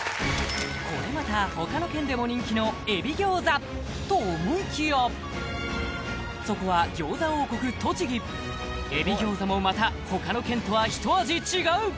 これまた他の県でも人気の海老餃子と思いきやそこは餃子王国栃木海老餃子もまた他の県とはひと味違う